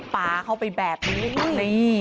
ปลาเข้าไปแบบนี้เห้ย